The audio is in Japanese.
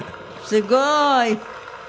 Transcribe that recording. すごーい。